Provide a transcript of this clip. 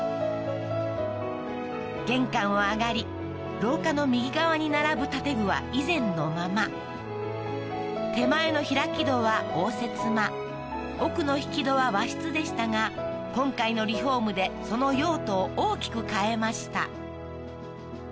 玄関を上がり廊下の右側に並ぶ建具は以前のまま手前の開き戸は応接間奥の引き戸は和室でしたが今回のリフォームでその用途を大きく変えました